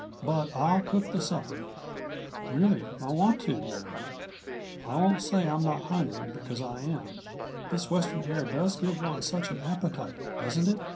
"But I'll cook the supper really, I want to, you know. I won't say I'm not hungry, because I am. This Western air does give one such an appetite, doesn't it?